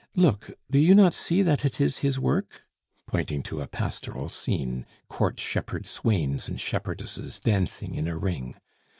Look! do you not see that it is his work?" (pointing to a pastoral scene, court shepherd swains and shepherdesses dancing in a ring).